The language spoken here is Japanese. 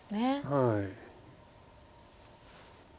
はい。